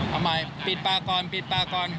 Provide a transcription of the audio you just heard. เอาใหม่ปิดปากก่อนปิดปลาก่อน